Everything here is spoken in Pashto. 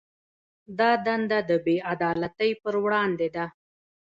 دا دنده د بې عدالتۍ پر وړاندې ده.